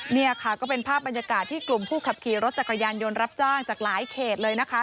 นี่ค่ะก็เป็นภาพบรรยากาศที่กลุ่มผู้ขับขี่รถจักรยานยนต์รับจ้างจากหลายเขตเลยนะคะ